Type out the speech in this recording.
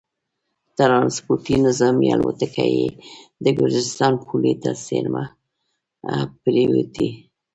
ټرانسپورټي نظامي الوتکه یې د ګرجستان پولې ته څېرمه پرېوتې